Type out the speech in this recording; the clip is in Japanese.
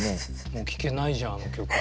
もう聴けないじゃんあの曲が。